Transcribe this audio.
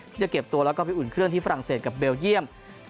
ที่จะเก็บตัวแล้วก็ไปอุ่นเครื่องที่ฝรั่งเศสกับเบลเยี่ยม